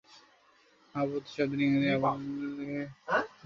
আবদ শব্দটি ইংরেজিতে 'আব্দ' হিসাবেও অনুবাদ করা যেতে পারে।